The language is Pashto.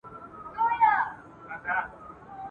بې خبره د سیلیو له څپېړو !.